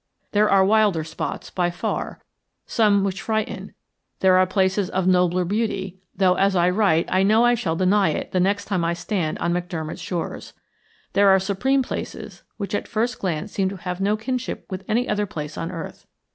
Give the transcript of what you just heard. There are wilder spots, by far, some which frighten; there are places of nobler beauty, though as I write I know I shall deny it the next time I stand on McDermott's shores; there are supreme places which at first glance seem to have no kinship with any other place on earth.